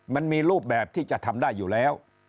มันมีรูปแบบที่จะทำได้อยู่แล้ว